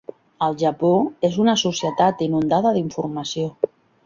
El Japó és una societat inundada d'informació.